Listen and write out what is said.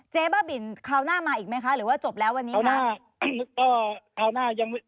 บ้าบินคราวหน้ามาอีกไหมคะหรือว่าจบแล้ววันนี้ค่ะ